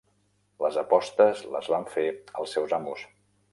Les apostes les van fer els seus amos.